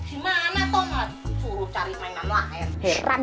gimana toh mau curut cari mainan lain